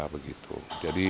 jadi ini suatu dampak